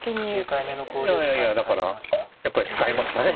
いやいやいやだからやっぱり使いましたね